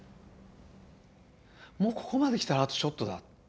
「もうここまで来たらあとちょっとだ。